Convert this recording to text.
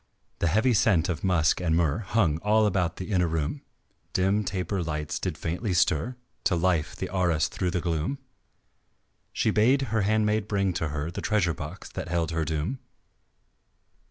The heavy scent of musk and myrrh Hung all about the inner room, Dim taper lights did faintly stir To life the arras through the gloom, She bade her handmaid bring to her The treasure box that held her doom.